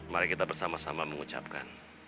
mari kita bersama sama mengucapkan